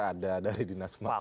ada dari dinas pemakaman